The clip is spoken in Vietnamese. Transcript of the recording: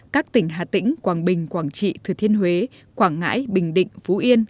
các tỉnh hà tĩnh quảng bình quảng trị thừa thiên huế quảng ngãi bình định phú yên